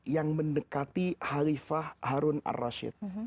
yang mendekati halifah harun ar rashid